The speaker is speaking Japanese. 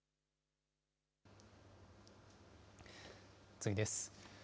次です。